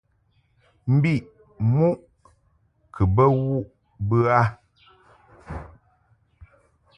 Mbiʼ muʼ kɨ bə wuʼ bə a .